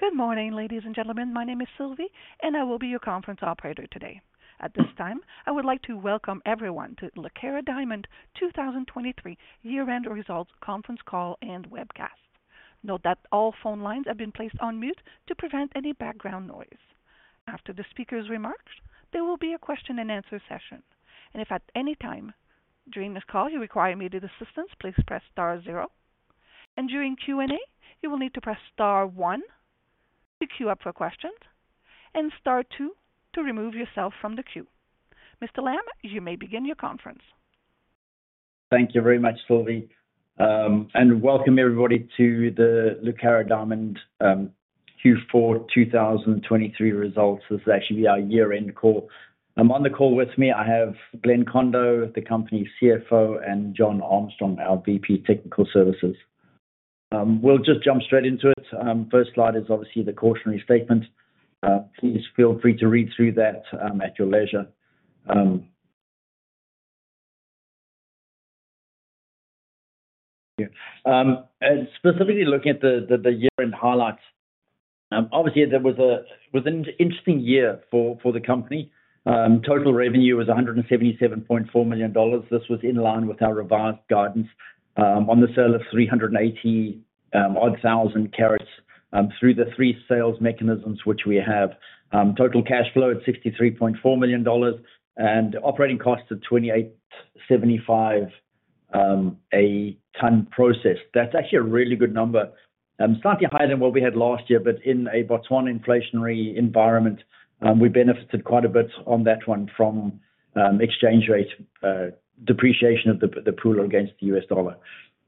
Good morning, ladies and gentlemen. My name is Sylvie, and I will be your conference operator today. At this time, I would like to welcome everyone to Lucara Diamond 2023 year-end results conference call and webcast. Note that all phone lines have been placed on mute to prevent any background noise. After the speaker's remarks, there will be a question and answer session, and if at any time during this call you require immediate assistance, please press star zero. During Q&A, you will need to press star one to queue up for questions and star two to remove yourself from the queue. Mr. Lamb, you may begin your conference. Thank you very much, Sylvie, and welcome everybody to the Lucara Diamond Corp. Q4 2023 results. This is actually our year-end call. On the call with me, I have Glenn Kondo, the company's CFO, and John Armstrong, our VP, Technical Services. We'll just jump straight into it. First slide is obviously the cautionary statement. Please feel free to read through that at your leisure. And specifically looking at the year-end highlights, obviously there was an interesting year for the company. Total revenue was $177.4 million. This was in line with our revised guidance on the sale of 380,000-odd carats through the three sales mechanisms which we have. Total cash flow at $63.4 million, and operating costs of 28.75 a ton processed. That's actually a really good number. Slightly higher than what we had last year, but in a Botswana inflationary environment, we benefited quite a bit on that one from exchange rate depreciation of the pula against the US dollar.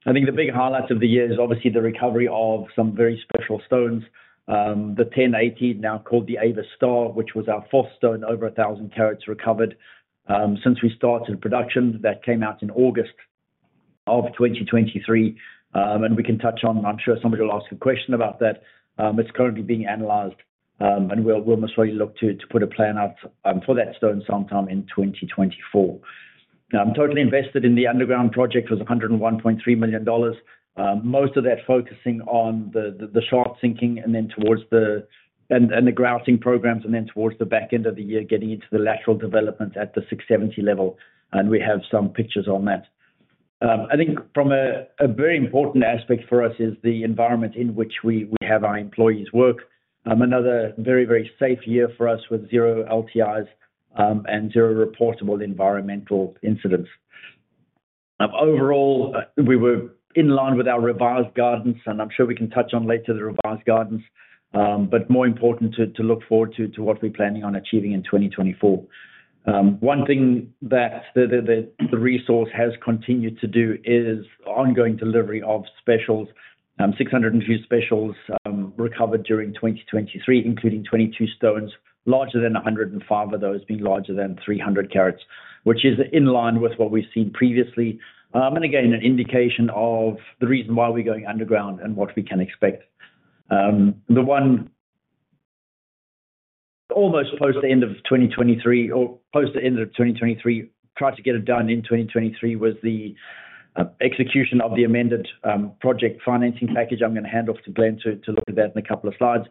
I think the big highlights of the year is obviously the recovery of some very special stones. The 1,080, now called the Avis Star, which was our fourth stone, over a thousand carats recovered, since we started production. That came out in August of 2023. And we can touch on... I'm sure somebody will ask a question about that. It's currently being analyzed, and we'll most likely look to put a plan out for that stone sometime in 2024. Now, total investment in the underground project was $101.3 million. Most of that focusing on the shaft sinking and then towards the grouting programs, and then towards the back end of the year, getting into the lateral development at the 670 level, and we have some pictures on that. I think from a very important aspect for us is the environment in which we have our employees work. Another very safe year for us with zero LTIs and zero reportable environmental incidents. Overall, we were in line with our revised guidance, and I'm sure we can touch on later the revised guidance. But more important to look forward to what we're planning on achieving in 2024. One thing that the resource has continued to do is ongoing delivery of specials. 600 and few specials recovered during 2023, including 22 stones larger than 100 and five of those being larger than 300 carats, which is in line with what we've seen previously. And again, an indication of the reason why we're going underground and what we can expect. The one almost close to the end of 2023, tried to get it done in 2023, was the execution of the amended project financing package. I'm gonna hand off to Glenn to look at that in a couple of slides.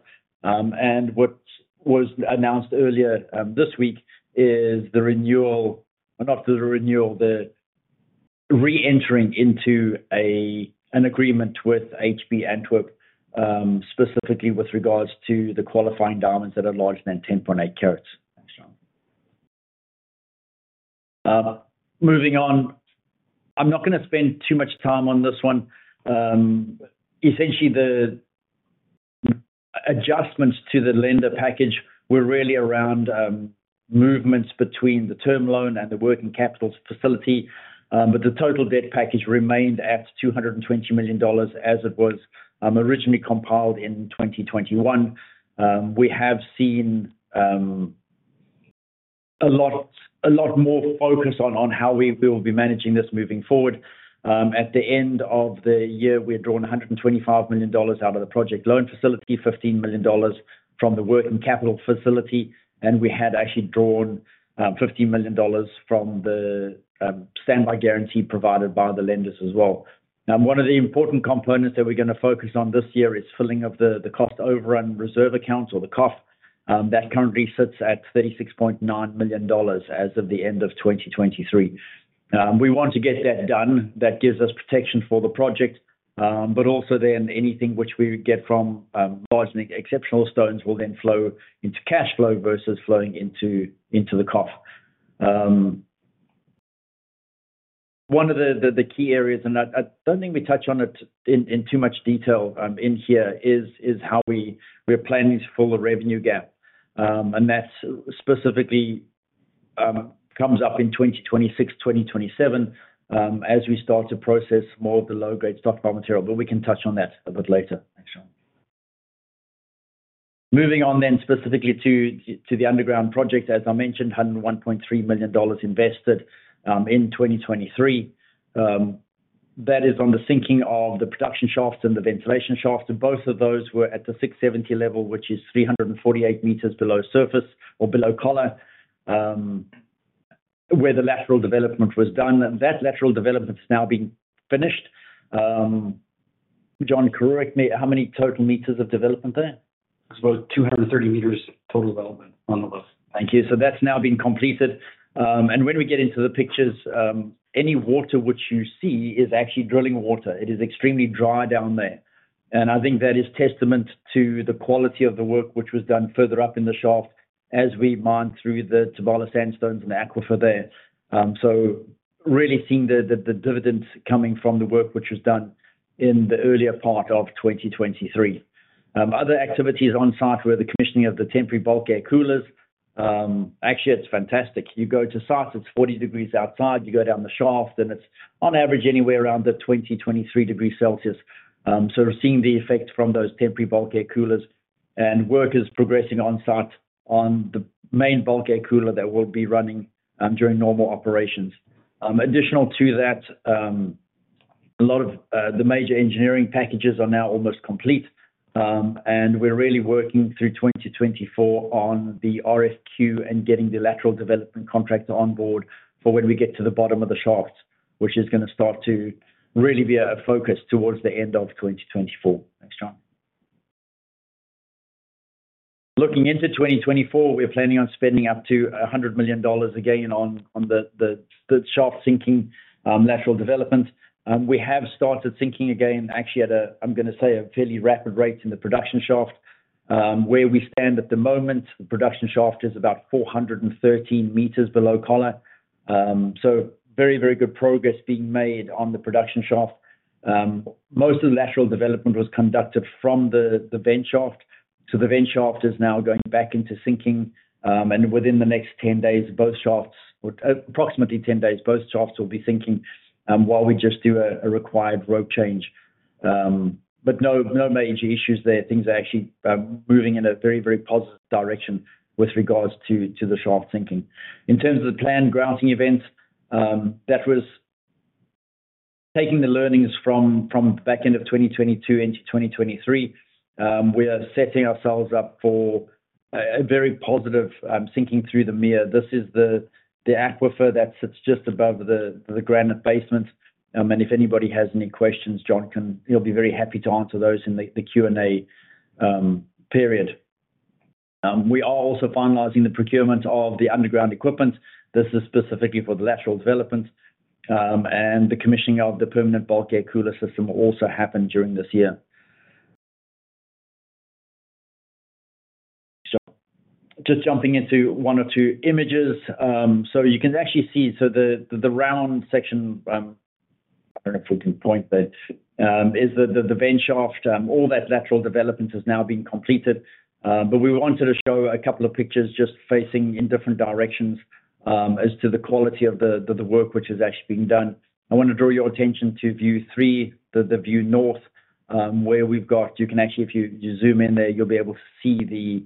What was announced earlier this week is the renewal, not the renewal, the reentering into a, an agreement with HB Antwerp, specifically with regards to the qualifying diamonds that are larger than 10.8 carats. Moving on, I'm not gonna spend too much time on this one. Essentially, the adjustments to the lender package were really around, movements between the term loan and the working capital facility, but the total debt package remained at $220 million, as it was, originally compiled in 2021. We have seen, a lot, a lot more focus on, on how we will be managing this moving forward. At the end of the year, we had drawn $125 million out of the project loan facility, $15 million from the working capital facility, and we had actually drawn $15 million from the standby guarantee provided by the lenders as well. Now, one of the important components that we're gonna focus on this year is filling up the cost overrun reserve accounts or the COF. That currently sits at $36.9 million as of the end of 2023. We want to get that done. That gives us protection for the project, but also then anything which we would get from large exceptional stones will then flow into cash flow versus flowing into the COF. One of the key areas, and I don't think we touch on it in too much detail in here, is how we're planning to fill the revenue gap. And that specifically comes up in 2026, 2027, as we start to process more of the low-grade stock material, but we can touch on that a bit later. Moving on then specifically to the underground project, as I mentioned, $101.3 million invested in 2023. That is on the sinking of the production shafts and the ventilation shafts, and both of those were at the 670 level, which is 348 m below surface or below collar. Where the lateral development was done, and that lateral development is now being finished. John, correct me, how many total meters of development there? It's about 230 m total development on the list. Thank you. So that's now been completed. And when we get into the pictures, any water which you see is actually drilling water. It is extremely dry down there. And I think that is testament to the quality of the work which was done further up in the shaft as we mined through the Thabala sandstones and the aquifer there. So really seeing the dividends coming from the work, which was done in the earlier part of 2023. Other activities on site were the commissioning of the temporary bulk air coolers. Actually, it's fantastic. You go to site, it's 40 degrees outside, you go down the shaft, and it's on average, anywhere around the 20 degrees Celsius-23 degrees Celsius. So we're seeing the effects from those temporary bulk air coolers, and work is progressing on site on the main bulk air cooler that will be running during normal operations. Additional to that, a lot of the major engineering packages are now almost complete, and we're really working through 2024 on the RFQ and getting the lateral development contractor on board for when we get to the bottom of the shaft. Which is gonna start to really be a focus towards the end of 2024. Thanks, John. Looking into 2024, we're planning on spending up to $100 million again, on the shaft sinking, lateral development. We have started sinking again, actually at a, I'm gonna say, a fairly rapid rate in the production shaft. Where we stand at the moment, the production shaft is about 413 m below collar. So very, very good progress being made on the production shaft. Most of the lateral development was conducted from the vent shaft, so the vent shaft is now going back into sinking, and within the next 10 days, both shafts, approximately 10 days, both shafts will be sinking, while we just do a required rope change. But no, no major issues there. Things are actually moving in a very, very positive direction with regards to the shaft sinking. In terms of the planned grouting events, that was taking the learnings from the back end of 2022 into 2023. We are setting ourselves up for a very positive sinking through the Mea. This is the aquifer that sits just above the granite basement. And if anybody has any questions, John can--he'll be very happy to answer those in the Q&A period. We are also finalizing the procurement of the underground equipment. This is specifically for the lateral development, and the commissioning of the permanent bulk air cooler system will also happen during this year. So just jumping into one or two images. So you can actually see, so the round section, I don't know if we can point, but, is the vent shaft, all that lateral development has now been completed. But we wanted to show a couple of pictures just facing in different directions, as to the quality of the work which is actually being done. I want to draw your attention to view three, the view north, where we've got. You can actually, if you zoom in there, you'll be able to see the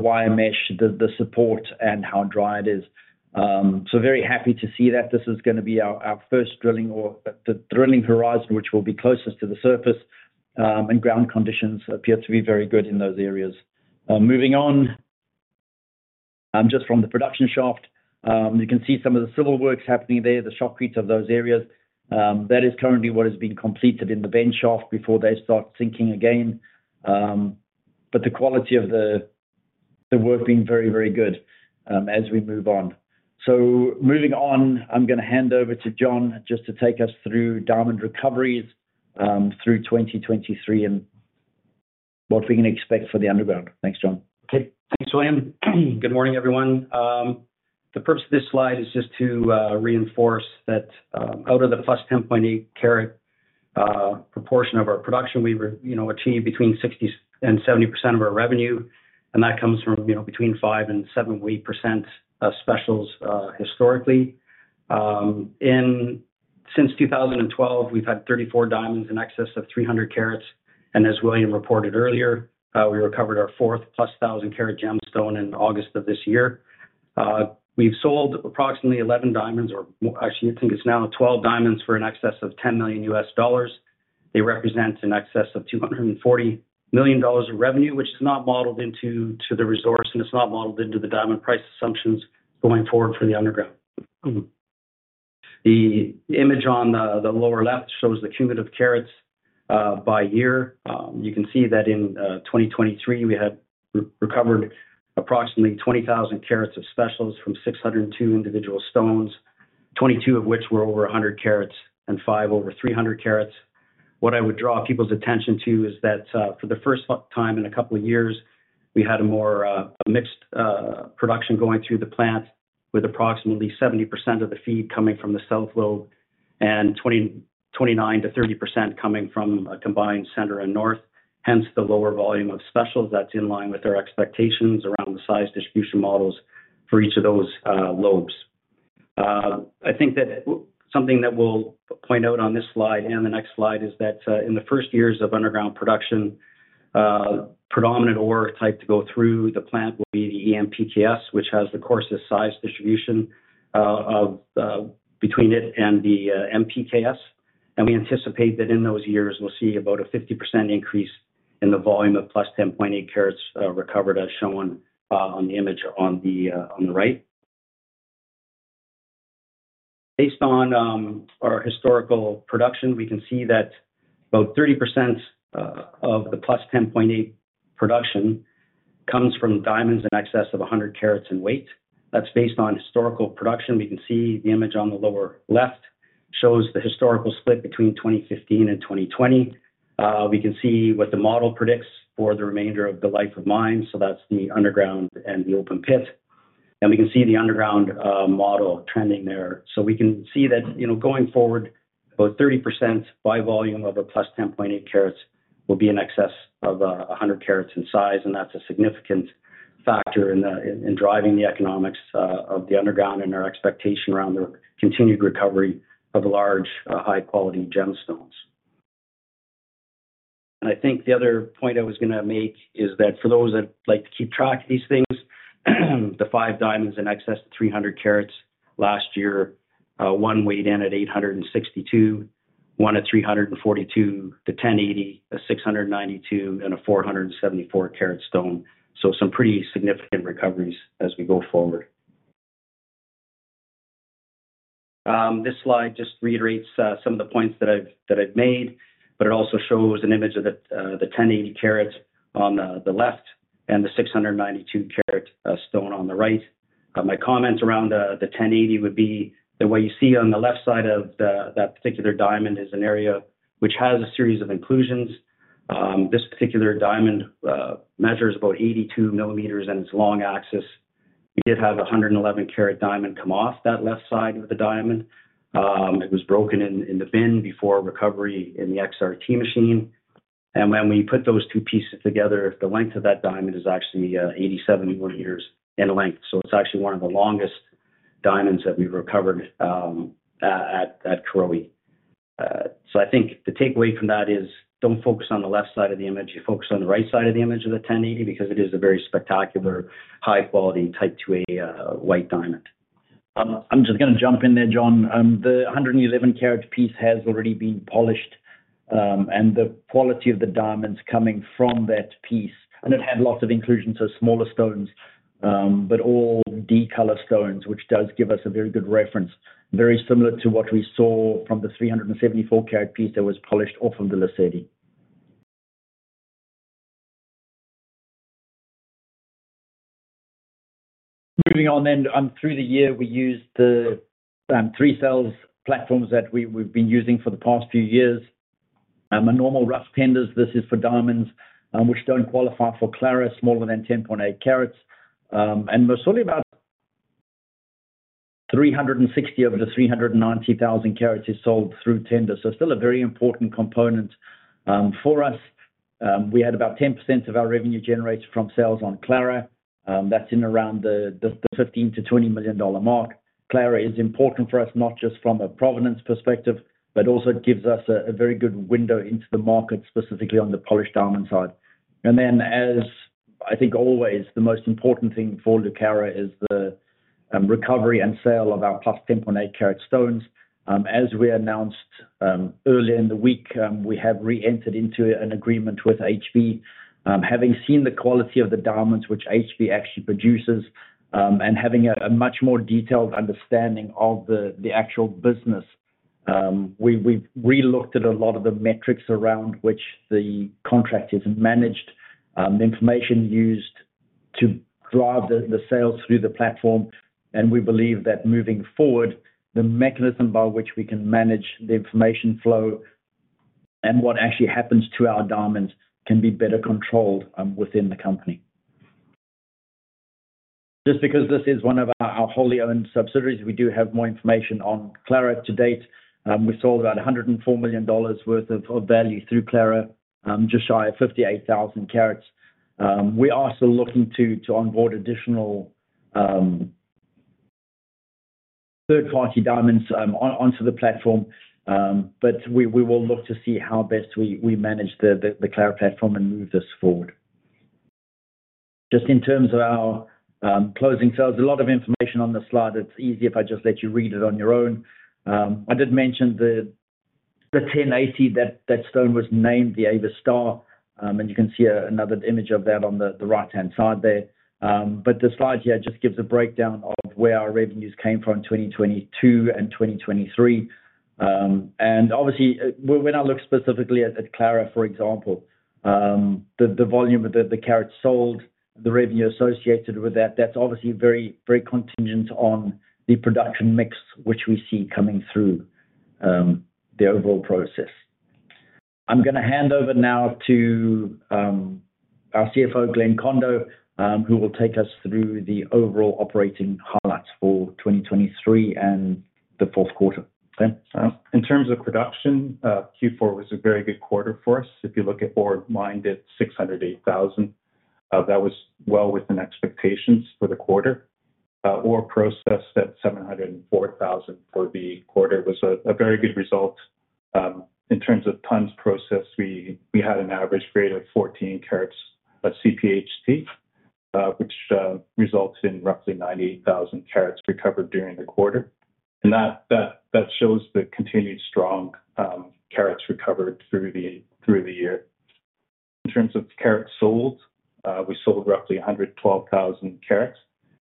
wire mesh, the support and how dry it is. So very happy to see that. This is gonna be our first drilling or the drilling horizon, which will be closest to the surface, and ground conditions appear to be very good in those areas. Moving on, just from the production shaft, you can see some of the civil works happening there, the shotcrete of those areas. That is currently what has been completed in the vent shaft before they start sinking again. But the quality of the work being very, very good, as we move on. So moving on, I'm gonna hand over to John, just to take us through diamond recoveries through 2023, and what we can expect for the underground. Thanks, John. Okay, thanks, William. Good morning, everyone. The purpose of this slide is just to reinforce that, out of the +10.8 carat proportion of our production, we were, you know, achieved between 60%-70% of our revenue, and that comes from, you know, between 5%-7.8% of specials historically. Since 2012, we've had 34 diamonds in excess of 300 carats, and as William reported earlier, we recovered our 4th +1,000 carat gemstone in August of this year. We've sold approximately 11 diamonds, or more-- actually, I think it's now 12 diamonds for an excess of $10 million. It represents an excess of $240 million of revenue, which is not modeled into the resource, and it's not modeled into the diamond price assumptions going forward for the underground. The image on the lower left shows the cumulative carats by year. You can see that in 2023, we had recovered approximately 20,000 carats of specials from 602 individual stones, 22 of which were over 100 carats and 5 over 300 carats. What I would draw people's attention to is that, for the first time in a couple of years, we had a more, a mixed, production going through the plant, with approximately 70% of the feed coming from the south Lobe, and 29%-30% coming from a combined center and north, hence the lower volume of specials that's in line with our expectations around the size distribution models for each of those, Lobes. I think that something that we'll point out on this slide and the next slide is that, in the first years of underground production, predominant ore type to go through the plant will be the EMPKS, which has the coarsest size distribution, of, between it and the, MPKS. And we anticipate that in those years, we'll see about a 50% increase in the volume of +10.8 carats recovered, as shown on the image on the right. Based on our historical production, we can see that about 30% of the +10.8 production comes from diamonds in excess of 100 carats in weight. That's based on historical production. We can see the image on the lower left shows the historical split between 2015 and 2020. We can see what the model predicts for the remainder of the life of mine, so that's the underground and the open pit. And we can see the underground model trending there. So we can see that, you know, going forward, about 30% by volume of +10.8 carats will be in excess of 100 carats in size, and that's a significant factor in driving the economics of the underground, our expectation around the continued recovery of large high-quality gemstones. And I think the other point I was gonna make is that for those that like to keep track of these things, the five diamonds in excess of 300 carats last year, one weighed in at 862, one at 342, the 1,080, a 692, and a 474 carat stone. So some pretty significant recoveries as we go forward. This slide just reiterates some of the points that I've made, but it also shows an image of the 1,080 carats on the left, and the 692-carat stone on the right. My comments around the 1,080 would be that what you see on the left side of that particular diamond is an area which has a series of inclusions. This particular diamond measures about 82 mm, and its long axis. We did have a 111-carat diamond come off that left side of the diamond. It was broken in the bin before recovery in the XRT machine. And when we put those two pieces together, the length of that diamond is actually 87 mm in length. So it's actually one of the longest diamonds that we've recovered, at Karowe. So I think the takeaway from that is, don't focus on the left side of the image. You focus on the right side of the image of the 1,080, because it is a very spectacular, high-quality Type IIa, white diamond. I'm just gonna jump in there, John. The 111-carat piece has already been polished, and the quality of the diamonds coming from that piece, and it had lots of inclusions, so smaller stones, but all D-color stones, which does give us a very good reference, very similar to what we saw from the 374-carat piece that was polished off of the Lesedi. Moving on then, through the year, we used the 3 sales platforms that we've been using for the past few years. A normal rough tenders, this is for diamonds, which don't qualify for Clara, smaller than 10.8 carats. And there's only about 360 over the 390,000 carats is sold through tender. So still a very important component, for us. We had about 10% of our revenue generated from sales on Clara. That's in around the $15 million-$20 million mark. Clara is important for us, not just from a provenance perspective, but also gives us a very good window into the market, specifically on the polished diamond side. As I think always, the most important thing for Lucara is the recovery and sale of our plus 10.8-carat stones. As we announced earlier in the week, we have reentered into an agreement with HB. Having seen the quality of the diamonds which HB actually produces, and having a much more detailed understanding of the actual business, we've relooked at a lot of the metrics around which the contract is managed, the information used to drive the sales through the platform, and we believe that moving forward, the mechanism by which we can manage the information flow and what actually happens to our diamonds, can be better controlled within the company. Just because this is one of our wholly owned subsidiaries, we do have more information on Clara. To date, we sold about $104 million worth of value through Clara, just shy of 58,000 carats. We are still looking to onboard additional third-party diamonds onto the platform. But we will look to see how best we manage the Clara platform and move this forward. Just in terms of our closing sales, a lot of information on the slide. It's easy if I just let you read it on your own. I did mention the 1,080, that stone was named the Avis Star, and you can see another image of that on the right-hand side there. But the slide here just gives a breakdown of where our revenues came from in 2022 and 2023. And obviously, when I look specifically at Clara, for example, the volume of the carats sold, the revenue associated with that, that's obviously very, very contingent on the production mix, which we see coming through the overall process. I'm gonna hand over now to our CFO, Glenn Kondo, who will take us through the overall operating highlights for 2023 and the fourth quarter. Okay, so. In terms of production, Q4 was a very good quarter for us. If you look at ore mined at 608,000, that was well within expectations for the quarter. Ore processed at 704,000 for the quarter was a very good result. In terms of tons processed, we had an average grade of 14 carats at CPHT.... which results in roughly 98,000 carats recovered during the quarter. And that shows the continued strong carats recovered through the year. In terms of carats sold, we sold roughly 112,000 carats.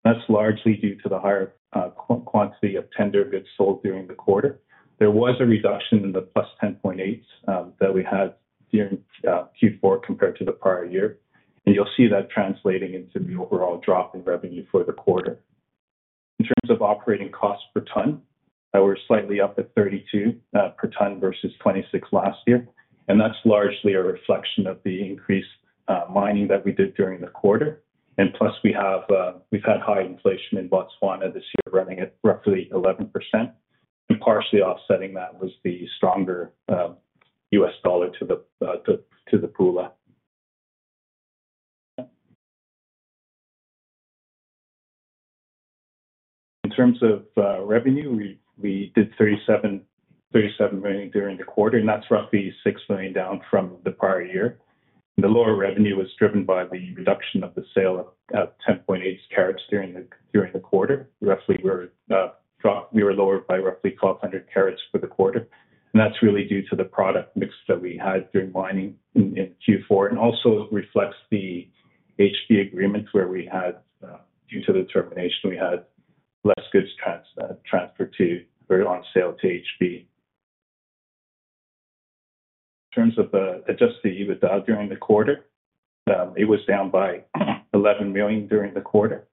That's largely due to the higher quantity of tender goods sold during the quarter. There was a reduction in the plus 10.8s that we had during Q4, compared to the prior year, and you'll see that translating into the overall drop in revenue for the quarter. In terms of operating costs per ton, we're slightly up at 32 per ton versus 26 last year, and that's largely a reflection of the increased mining that we did during the quarter. Plus, we've had high inflation in Botswana this year, running at roughly 11%, and partially offsetting that was the stronger US dollar to the pula. In terms of revenue, we did $37 million during the quarter, and that's roughly $6 million down from the prior year. The lower revenue was driven by the reduction of the sale of 10.8 carats during the quarter. Roughly, we were lower by roughly 1,200 carats for the quarter, and that's really due to the product mix that we had during mining in Q4, and also reflects the HB agreements where we had, due to the termination, we had less goods transferred to or on sale to HB. In terms of the adjusted EBITDA during the quarter, it was down by $11 million during the quarter.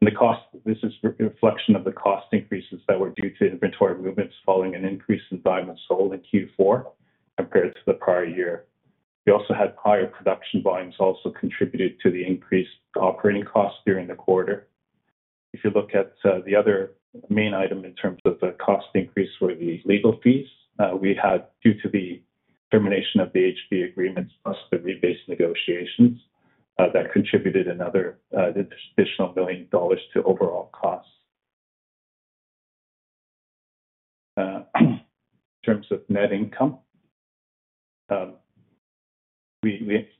The cost, this is a reflection of the cost increases that were due to inventory movements following an increase in diamonds sold in Q4 compared to the prior year. We also had higher production volumes, also contributed to the increased operating costs during the quarter. If you look at the other main item in terms of the cost increase were the legal fees. We had, due to the termination of the HB agreements, plus the rebase negotiations, that contributed another additional $1 million to overall costs. In terms of net income,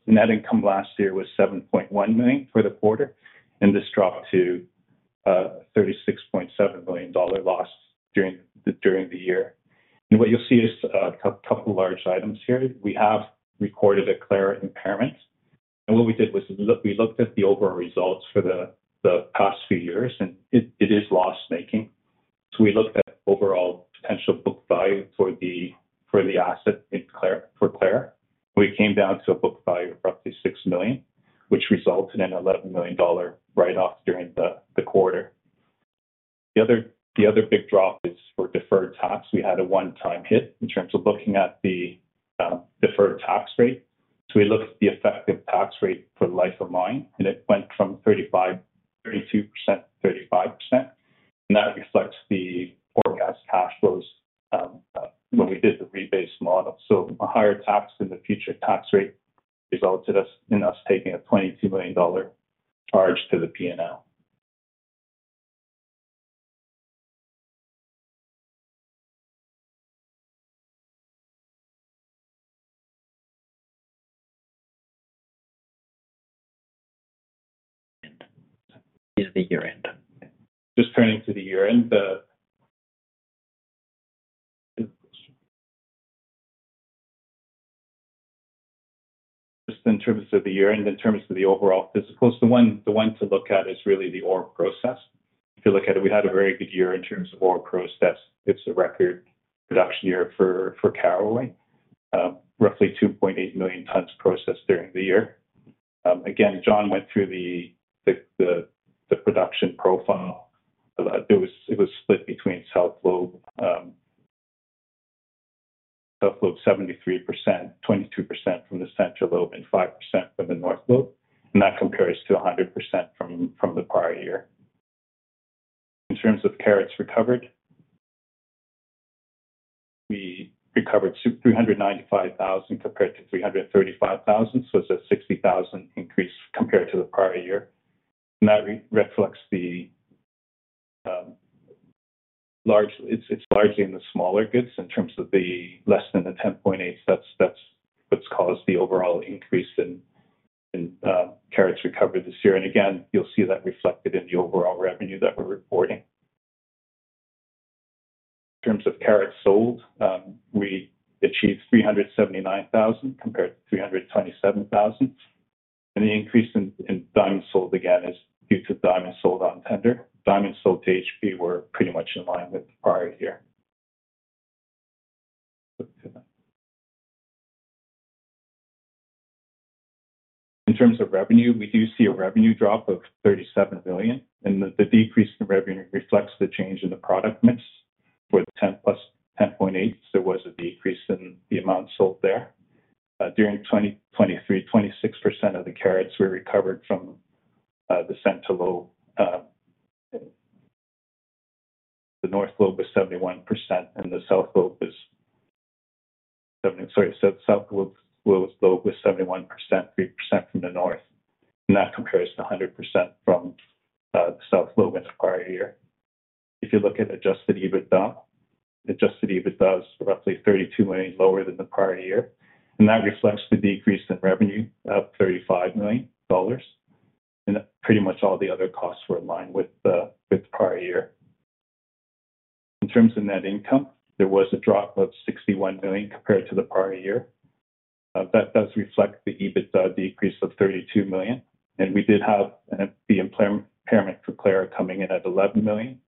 Net income last year was $7.1 million for the quarter, and this dropped to $36.7 million loss during the year. What you'll see is a couple of large items here. We have recorded a clear impairment, and what we did was look, we looked at the overall results for the past few years, and it is loss-making. So we looked at overall potential book value for the asset in Clara, for Clara. We came down to a book value of roughly $6 million, which resulted in $11 million write-offs during the quarter. The other big drop is for deferred tax. We had a one-time hit in terms of looking at the deferred tax rate. So we looked at the effective tax rate for the life of mine, and it went from 32% to 35%, and that reflects the forecast cash flows when we did the rebase model. So a higher tax in the future tax rate resulted in us taking a $22 million charge to the P&L at the year-end. Just turning to the year-end, just in terms of the year-end, in terms of the overall financials, the one to look at is really the ore processed. If you look at it, we had a very good year in terms of ore processed. It's a record production year for Karowe. Roughly 2.8 million tons processed during the year. Again, John went through the production profile. It was split between South Lobe 73%, 22% from the Central Lobe, and 5% from the North Lobe, and that compares to 100% from the prior year. In terms of carats recovered, we recovered 395,000, compared to 335,000, so it's a 60,000 increase compared to the prior year. And that reflects the, it's, it's largely in the smaller goods in terms of the less than the 10.8. That's, that's what's caused the overall increase in, in, carats recovered this year. And again, you'll see that reflected in the overall revenue that we're reporting. In terms of carats sold, we achieved 379,000 compared to 327,000, and the increase in, in diamonds sold again is due to diamonds sold on tender. Diamonds sold to HB were pretty much in line with the prior year. In terms of revenue, we do see a revenue drop of $37 million, and the, the decrease in revenue reflects the change in the product mix. With 10+ 10.8, there was a decrease in the amount sold there. During 2023, 26% of the carats were recovered from, the Central Lobe, the North Lobe was 71%, and the South Lobe was seventy... Sorry, South Lobe, Lobe was 71%, 3% from the North, and that compares to 100% from, South Lobe in the prior year. If you look at adjusted EBITDA, adjusted EBITDA is roughly $32 million lower than the prior year, and that reflects the decrease in revenue of $35 million, and pretty much all the other costs were in line with the, with the prior year. In terms of net income, there was a drop of $61 million compared to the prior year. That does reflect the EBITDA decrease of $32 million, and we did have the impairment for Clara coming in at $11 million.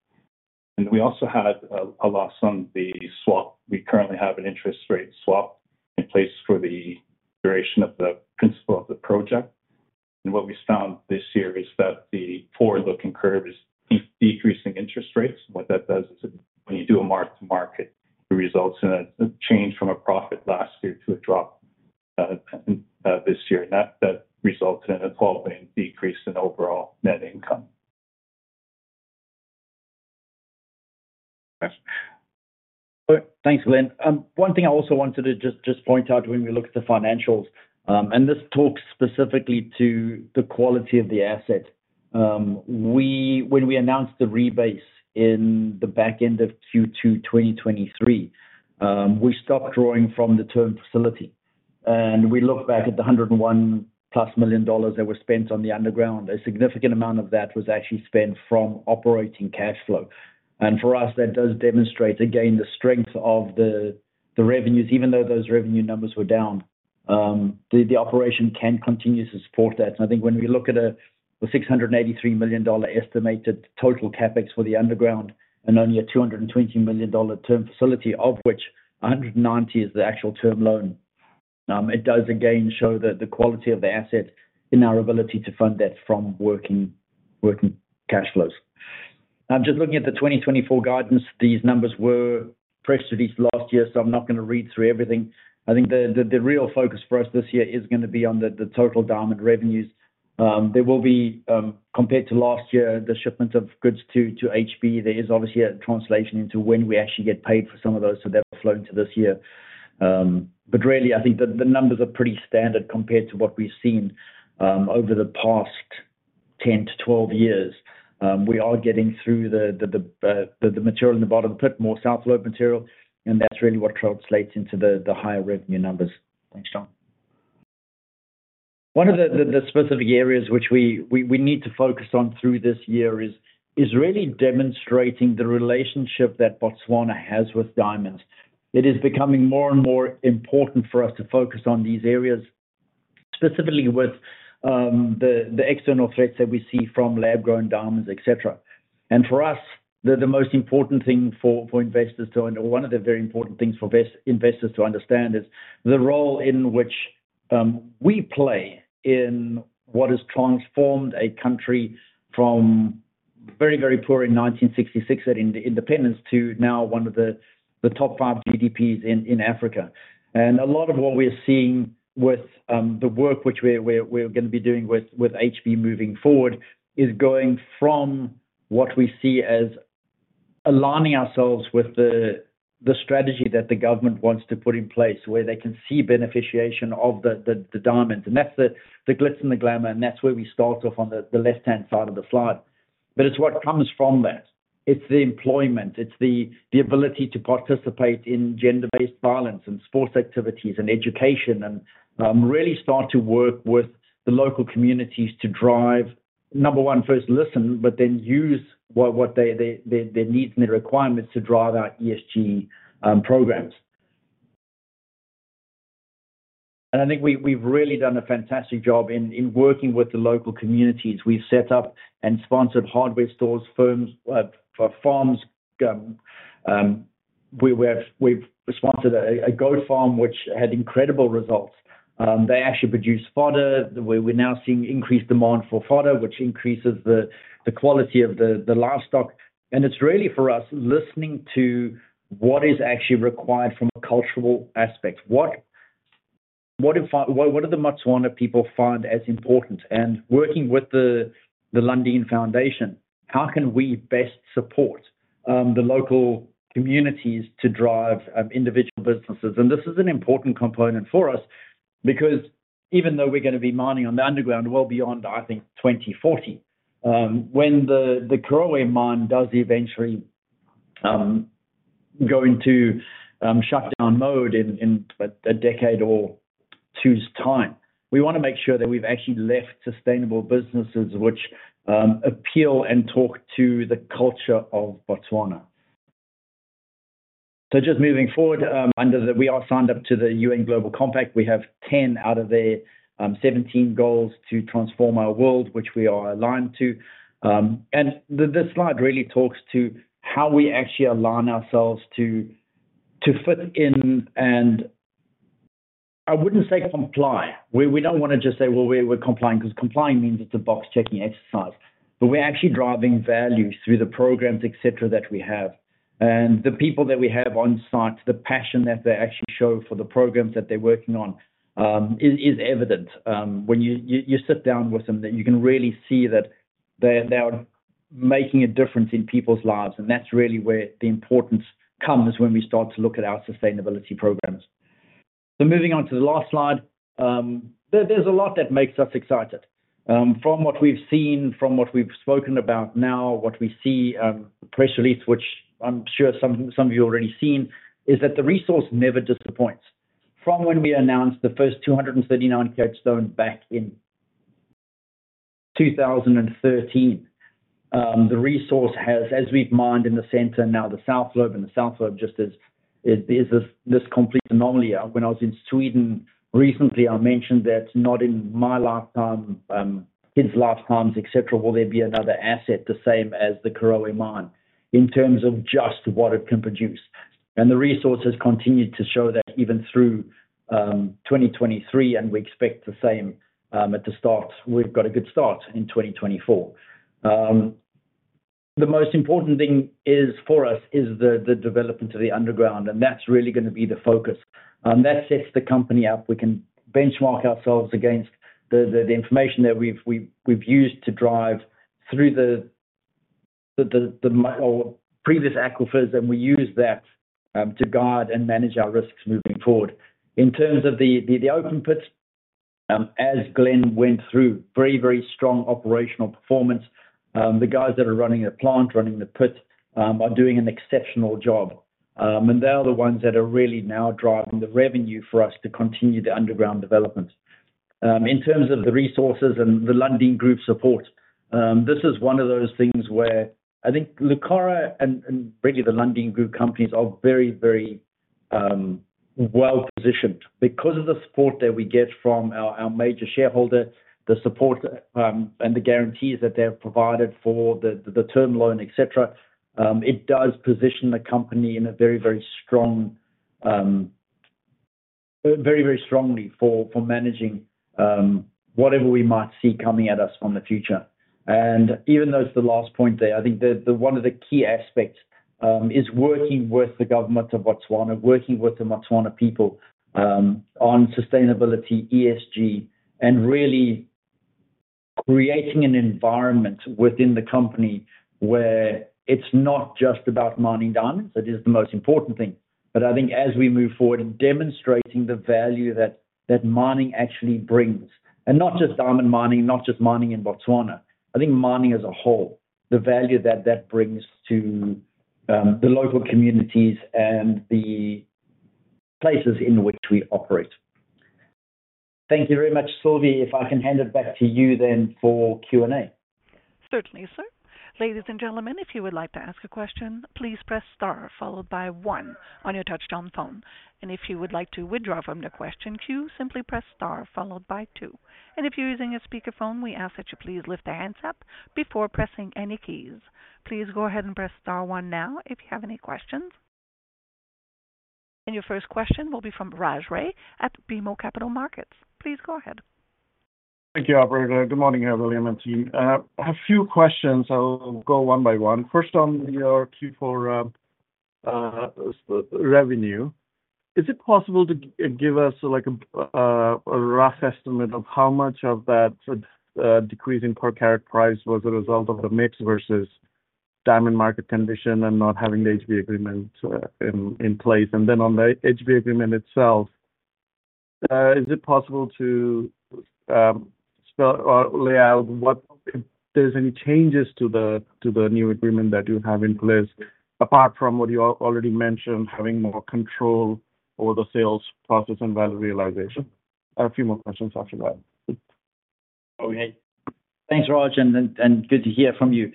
And we also had a loss on the swap. We currently have an interest rate swap in place for the duration of the principal of the project. And what we found this year is that the forward-looking curve is decreasing interest rates. And what that does is, when you do a mark-to-market, it results in a change from a profit last year to a drop this year. And that results in a $12 million decrease in overall net income. Thanks, Lynn. One thing I also wanted to just point out when we look at the financials, and this talks specifically to the quality of the asset. We, when we announced the rebase in the back end of Q2 2023, we stopped drawing from the term facility, and we look back at the $101+ million that were spent on the underground. A significant amount of that was actually spent from operating cash flow. For us, that does demonstrate, again, the strength of the revenues, even though those revenue numbers were down. The operation can continue to support that. I think when we look at the $683 million estimated total CapEx for the underground, and only a $220 million term facility, of which $190 is the actual term loan, it does again show that the quality of the asset and our ability to fund that from working cash flows. I'm just looking at the 2024 guidance. These numbers were provided in the press release last year, so I'm not gonna read through everything. I think the real focus for us this year is gonna be on the total diamond revenues. There will be, compared to last year, the shipment of goods to HB. There is obviously a translation into when we actually get paid for some of those, so they'll flow into this year. But really, I think the numbers are pretty standard compared to what we've seen over the past 10-12 years. We are getting through the material in the bottom, but more south load material, and that's really what translates into the higher revenue numbers. Thanks, John. One of the specific areas which we need to focus on through this year is really demonstrating the relationship that Botswana has with diamonds. It is becoming more and more important for us to focus on these areas, specifically with the external threats that we see from lab-grown diamonds, et cetera. And for us, the most important thing for investors to know, one of the very important things for investors to understand is the role in which we play in what has transformed a country from very, very poor in 1966 at independence, to now one of the top five GDPs in Africa. And a lot of what we're seeing with the work which we're gonna be doing with HB moving forward, is going from what we see as aligning ourselves with the strategy that the government wants to put in place, where they can see beneficiation of the diamonds. And that's the glitz and the glamour, and that's where we start off on the left-hand side of the slide. But it's what comes from that. It's the employment, it's the ability to participate in gender-based violence and sports activities and education, and really start to work with the local communities to drive, number one, first listen, but then use what they their needs and their requirements to drive our ESG programs. And I think we've really done a fantastic job in working with the local communities. We've set up and sponsored hardware stores, firms for farms. We've sponsored a goat farm, which had incredible results. They actually produce fodder. We're now seeing increased demand for fodder, which increases the quality of the livestock. And it's really, for us, listening to what is actually required from a cultural aspect. What are the Botswana people find as important? Working with the Lundin Foundation, how can we best support the local communities to drive individual businesses? And this is an important component for us, because even though we're gonna be mining on the underground, well beyond, I think, 2040, when the Karowe mine does eventually go into shutdown mode in a decade or two's time, we wanna make sure that we've actually left sustainable businesses which appeal and talk to the culture of Botswana. So just moving forward, under the... We are signed up to the UN Global Compact. We have 10 out of their 17 goals to transform our world, which we are aligned to. And this slide really talks to how we actually align ourselves to fit in, and I wouldn't say comply. We don't wanna just say, "Well, we're complying," because complying means it's a box-checking exercise. But we're actually driving value through the programs, et cetera, that we have. And the people that we have on site, the passion that they actually show for the programs that they're working on, is evident. When you sit down with them, then you can really see that they are making a difference in people's lives, and that's really where the importance comes when we start to look at our sustainability programs. So moving on to the last slide, there's a lot that makes us excited. From what we've seen, from what we've spoken about now, what we see, the press release, which I'm sure some of you already seen, is that the resource never disappoints. From when we announced the first 239 carat stones back in 2013, the resource has, as we've mined in the center, now the South Lobe, and the South Lobe just is this complete anomaly. When I was in Sweden recently, I mentioned that not in my lifetime, kids' lifetimes, et cetera, will there be another asset the same as the Karowe mine, in terms of just what it can produce. The resource has continued to show that even through 2023, and we expect the same at the start. We've got a good start in 2024. The most important thing is, for us, the development of the underground, and that's really gonna be the focus. That sets the company up. We can benchmark ourselves against the information that we've used to drive through the mine or previous aquifers, and we use that to guide and manage our risks moving forward. In terms of the open pits, as Glenn went through, very, very strong operational performance. The guys that are running the plant, running the pit, are doing an exceptional job. And they are the ones that are really now driving the revenue for us to continue the underground development. In terms of the resources and the Lundin Group support, this is one of those things where I think Lucara and really the Lundin Group companies are very, very well-positioned. Because of the support that we get from our major shareholder, the support and the guarantees that they have provided for the term loan, et cetera, it does position the company in a very, very strong... very, very strongly for managing whatever we might see coming at us in the future. Even though it's the last point there, I think the one of the key aspects is working with the government of Botswana, working with the Botswana people, on sustainability, ESG, and really creating an environment within the company where it's not just about mining diamonds. That is the most important thing. I think as we move forward in demonstrating the value that mining actually brings, and not just diamond mining, not just mining in Botswana, I think mining as a whole, the value that brings to the local communities and the places in which we operate. Thank you very much. Sylvie, if I can hand it back to you then for Q&A. Certainly, sir. Ladies and gentlemen, if you would like to ask a question, please press star followed by one on your touchtone phone. And if you would like to withdraw from the question queue, simply press star followed by two. And if you're using a speakerphone, we ask that you please lift your hands up before pressing any keys. Please go ahead and press star one now if you have any questions. And your first question will be from Raj Ray at BMO Capital Markets. Please go ahead. Thank you, operator. Good morning, William and team. I have a few questions. I'll go one by one. First, on your Q4 revenue, is it possible to give us, like, a rough estimate of how much of that decrease in per carat price was a result of the mix versus diamond market condition and not having the HB agreement in place? And then on the HB agreement itself, is it possible to spell or lay out what... If there's any changes to the new agreement that you have in place, apart from what you already mentioned, having more control over the sales process and value realization? I have a few more questions after that. Okay. Thanks, Raj, and good to hear from you.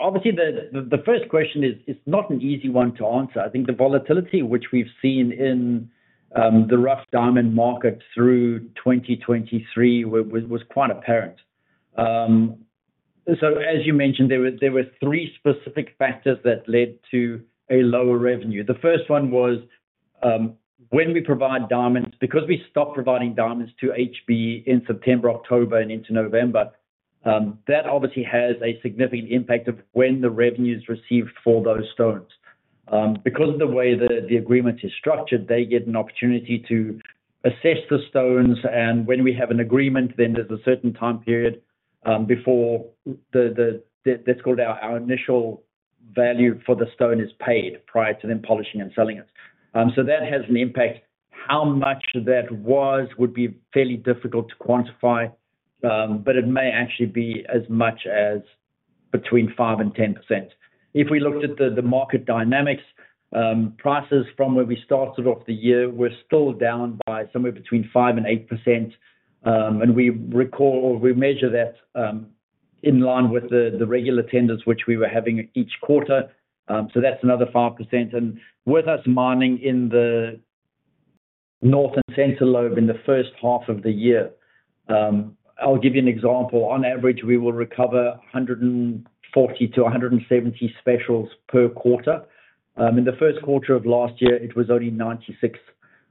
Obviously, the first question is, it's not an easy one to answer. I think the volatility which we've seen in the rough diamond market through 2023 was quite apparent. So as you mentioned, there were three specific factors that led to a lower revenue. The first one was, when we provide diamonds, because we stopped providing diamonds to HB in September, October, and into November, that obviously has a significant impact of when the revenue is received for those stones. Because of the way the agreement is structured, they get an opportunity to assess the stones, and when we have an agreement, then there's a certain time period before the-- that's called our initial value for the stone is paid, prior to them polishing and selling it. So that has an impact. How much that was would be fairly difficult to quantify, but it may actually be as much as between 5% and 10%. If we looked at the market dynamics, prices from where we started off the year were still down by somewhere between 5% and 8%. And we recall, we measure that in line with the regular tenders, which we were having each quarter, so that's another 5%. With us mining in the North and Central Lobe in the first half of the year, I'll give you an example. On average, we will recover 140-170 specials per quarter. In the first quarter of last year, it was only 96.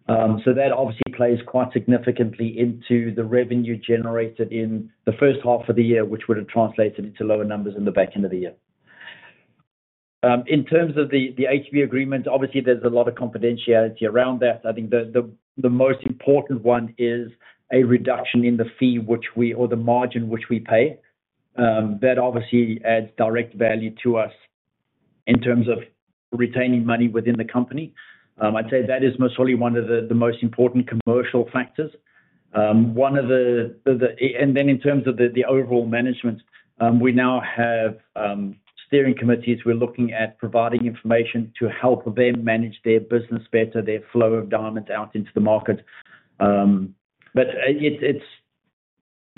So that obviously plays quite significantly into the revenue generated in the first half of the year, which would have translated into lower numbers in the back end of the year. In terms of the, the HB agreement, obviously there's a lot of confidentiality around that. I think the, the, the most important one is a reduction in the fee which we-- or the margin which we pay. That obviously adds direct value to us. In terms of retaining money within the company, I'd say that is most surely one of the most important commercial factors. One of the and then in terms of the overall management, we now have steering committees. We're looking at providing information to help them manage their business better, their flow of diamonds out into the market. But it's--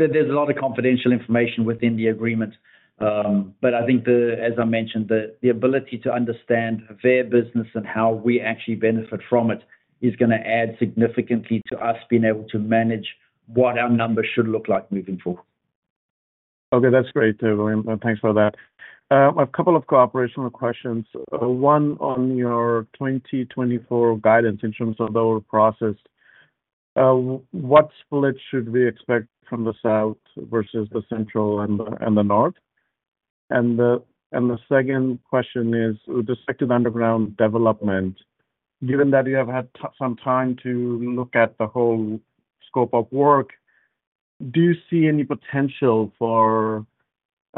there's a lot of confidential information within the agreement. But I think, as I mentioned, the ability to understand their business and how we actually benefit from it, is gonna add significantly to us being able to manage what our numbers should look like moving forward. Okay, that's great, William, thanks for that. A couple of cooperation questions. One, on your 2024 guidance in terms of the whole process, what split should we expect from the south versus the central and the, and the north? And the second question is, with respect to the underground development, given that you have had some time to look at the whole scope of work, do you see any potential for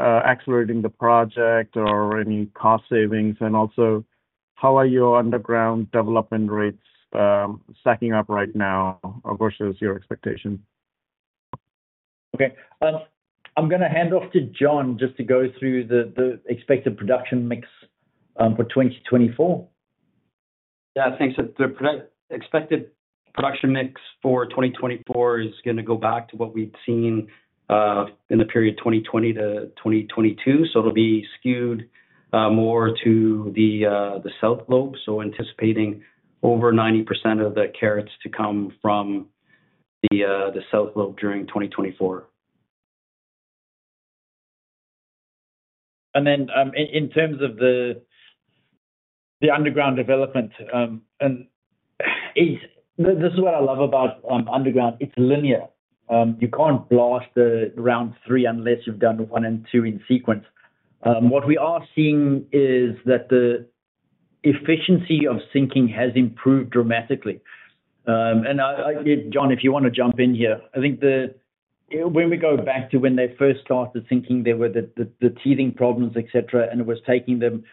accelerating the project or any cost savings? And also, how are your underground development rates stacking up right now versus your expectation? Okay. I'm gonna hand off to John, just to go through the expected production mix for 2024. Yeah, thanks. So the expected production mix for 2024 is gonna go back to what we'd seen in the period 2020 to 2022. So it'll be skewed more to the South Lobe. So anticipating over 90% of the carats to come from the South Lobe during 2024. In terms of the underground development, this is what I love about underground: it's linear. You can't blast round 3 unless you've done 1 and 2 in sequence. What we are seeing is that the efficiency of sinking has improved dramatically. And I, John, if you wanna jump in here. I think, when we go back to when they first started sinking, there were the teething problems, et cetera, and it was taking them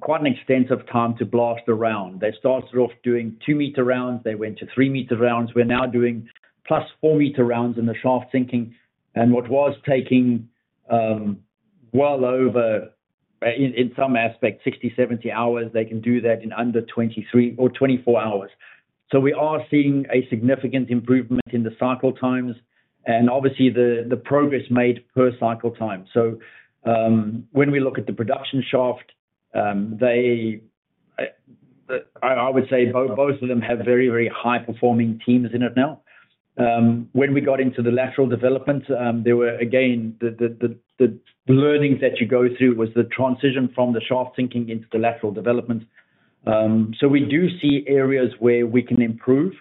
quite an extensive time to blast around. They started off doing 2 m rounds, they went to 3 m rounds. We're now doing plus 4 m rounds in the shaft sinking, and what was taking well over, in some aspects, 60, 70 hours, they can do that in under 23 or 24 hours. So we are seeing a significant improvement in the cycle times, and obviously, the progress made per cycle time. So when we look at the production shaft, I would say both of them have very, very high-performing teams in it now. When we got into the lateral development, there were, again, the learnings that you go through was the transition from the shaft sinking into the lateral development. So we do see areas where we can improve,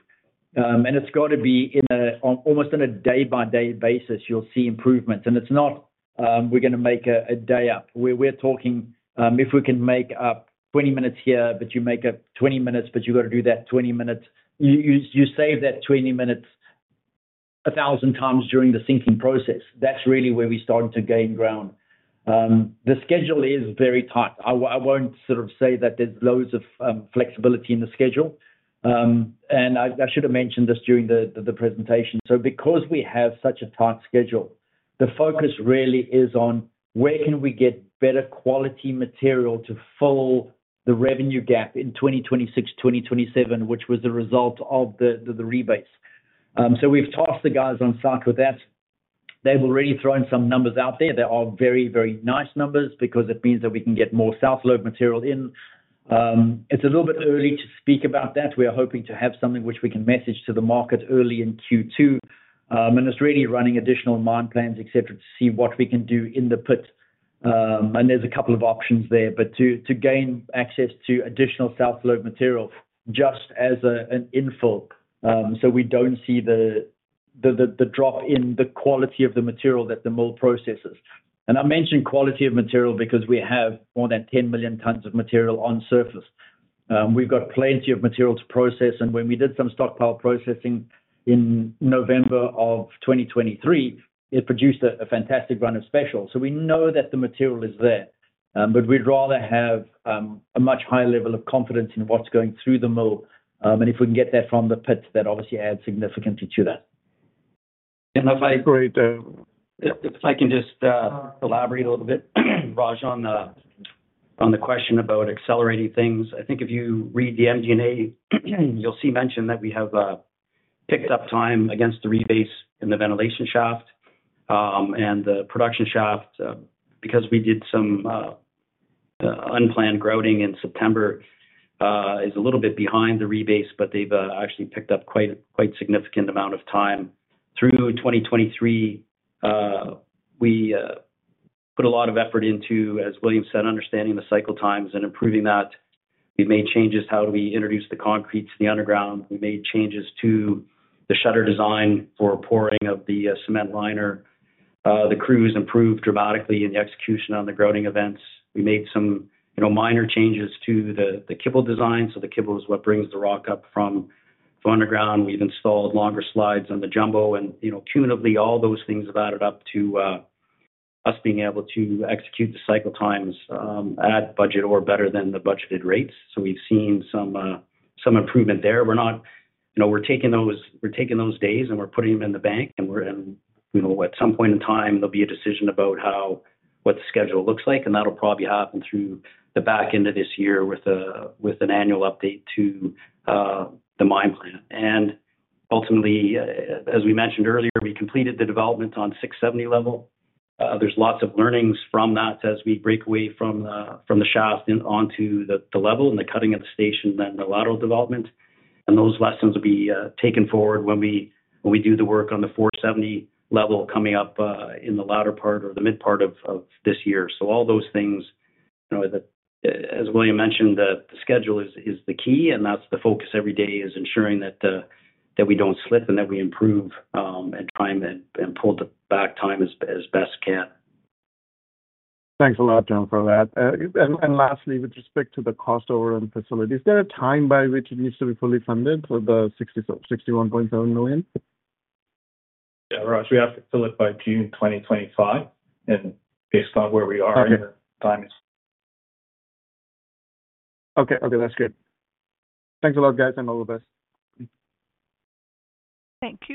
and it's got to be on almost a day-by-day basis, you'll see improvements. And it's not, we're gonna make a day up. We're talking, if we can make up 20 minutes here, but you make up 20 minutes, but you got to do that 20 minutes. You save that 20 minutes 1,000 times during the sinking process. That's really where we started to gain ground. The schedule is very tight. I won't sort of say that there's loads of flexibility in the schedule. And I should have mentioned this during the presentation. So because we have such a tight schedule, the focus really is on where can we get better quality material to fill the revenue gap in 2026, 2027, which was the result of the rebase. So we've tasked the guys on cycle that. They've already thrown some numbers out there. They are very, very nice numbers because it means that we can get more South Lobe material in. It's a little bit early to speak about that. We are hoping to have something which we can message to the market early in Q2. And it's really running additional mine plans, et cetera, to see what we can do in the pit. And there's a couple of options there. But to gain access to additional South Lobe material, just as an infill, so we don't see the drop in the quality of the material that the mill processes. And I mentioned quality of material because we have more than 10 million tons of material on surface. We've got plenty of material to process, and when we did some stockpile processing in November of 2023, it produced a fantastic run of specials. We know that the material is there, but we'd rather have a much higher level of confidence in what's going through the mill, and if we can get that from the pits, that obviously adds significantly to that. And if I Great, if I can just elaborate a little bit, Raj, on the question about accelerating things. I think if you read the MD&A, you'll see mention that we have picked up time against the rebase in the ventilation shaft, and the production shaft, because we did some unplanned grouting in September, is a little bit behind the rebase, but they've actually picked up quite significant amount of time. Through 2023, we put a lot of effort into, as William said, understanding the cycle times and improving that. We made changes to how do we introduce the concrete to the underground. We made changes to the shutter design for pouring of the cement liner. The crews improved dramatically in the execution on the grouting events. We made some, you know, minor changes to the kibble design. So the kibble is what brings the rock up from underground. We've installed longer slides on the jumbo and, you know, cumulatively, all those things have added up to us being able to execute the cycle times at budget or better than the budgeted rates. So we've seen some improvement there. We're not... You know, we're taking those days, and we're, and, you know, at some point in time, there'll be a decision about how what the schedule looks like, and that'll probably happen through the back end of this year with an annual update to the mine plan. And ultimately, as we mentioned earlier, we completed the development on 670 level. There's lots of learnings from that as we break away from the shaft and onto the level, and the cutting of the station, then the lateral development. And those lessons will be taken forward when we do the work on the 470 level coming up, in the latter part or the mid-part of this year. So all those things, you know, as William mentioned, the schedule is the key, and that's the focus every day, is ensuring that we don't slip and that we improve and time and pull the back time as best we can. Thanks a lot, John, for that. And lastly, with respect to the cost overrun facility, is there a time by which it needs to be fully funded for the $61.7 million? Yeah, Raj, we have to fill it by June 2025, and based on where we are- Okay... and the time is. Okay, okay, that's good. Thanks a lot, guys, and all the best. Thanks.